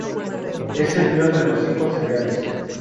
Es el dios de los cinco cereales.